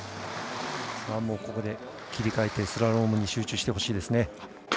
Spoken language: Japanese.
ここで切り替えてスラロームに集中してほしいですね。